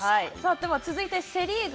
では、続いてセ・リーグ。